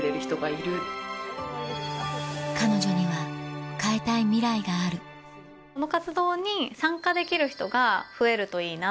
彼女には変えたいミライがあるこの活動に参加できる人が増えるといいなと。